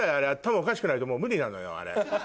おかしくないと無理なのよあれ。